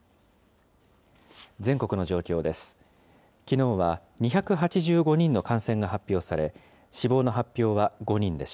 全国の状況です。